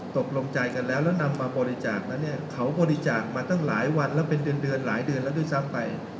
ตกลงใจกันแล้วแล้วนำมาบริจาคนั้นเนี่ยเขาบริจาคมาตั้งหลายวันแล้วเป็นเดือนหลายเดือนแล้วด้วยซ้ำไป